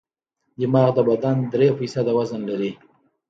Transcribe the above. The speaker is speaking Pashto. دماغ د بدن درې فیصده وزن لري.